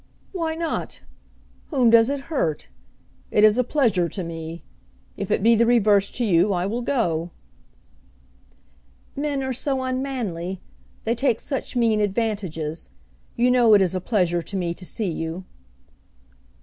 "Why not? Whom does it hurt? It is a pleasure to me. If it be the reverse to you, I will go." "Men are so unmanly. They take such mean advantages. You know it is a pleasure to me to see you."